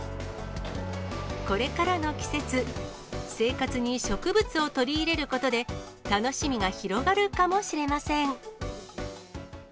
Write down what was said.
これからの季節、生活に植物を取り入れることで、楽しみが広がるかもしれません。